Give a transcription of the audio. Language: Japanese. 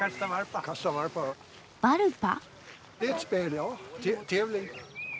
バルパ？